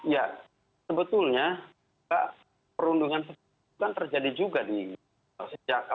ya sebetulnya perundungan terjadi juga nih